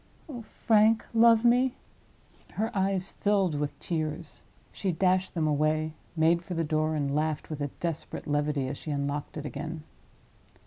Oh, Frank, love me!" Her eyes filled with tears. She dashed them away, made for the door, and laughed with a desperate levity, as she unlocked it again.